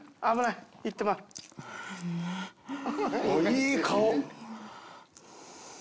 いい顔！